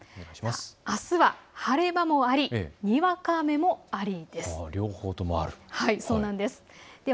あすは晴れ間もあり、にわか雨もありです。